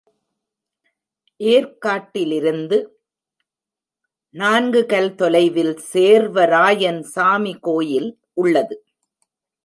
ஏர்க்காட்டிலிருந்து நான்கு கல் தொலைவில் சேர்வராயன் சாமி கோயில் உள்ளது.